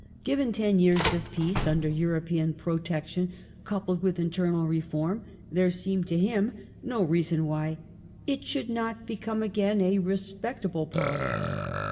Given ten years of peace under European protection, coupled with internal reform, there seemed to him no reason why "it should not become again a respectable > Power